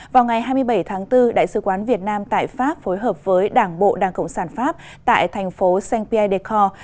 vào ngày hai mươi bảy tháng bốn đại sứ quán việt nam tại pháp phối hợp với đảng bộ đảng cộng sản pháp tại thành phố saint pierre de corps